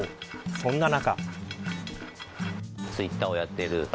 そんな中。